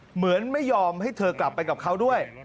เหมือนไม่ยอมให้เธอกลับไปกับเขาด้วย